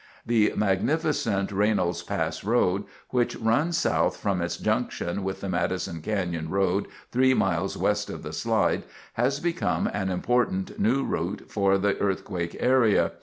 The magnificent Raynolds Pass road, which runs south from its junction with the Madison Canyon road three miles west of the slide, has become an important new route to the earthquake area.